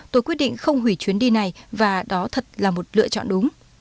tôi quyết định không hủy chuyến đi này và đó thật là một lựa chọn đúng